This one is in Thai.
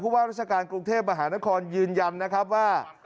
ว่าราชการกรุงเทพมหานครยืนยันนะครับว่า